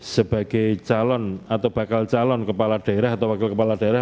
sebagai calon atau bakal calon kepala daerah atau wakil kepala daerah